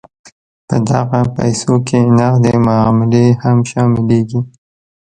په دغه پیسو کې نغدې معاملې هم شاملیږي.